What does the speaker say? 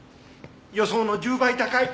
予想の１０倍高い！